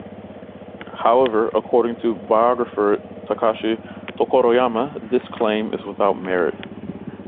However, according to biographer Takashi Tokoroyama, this claim is without merit.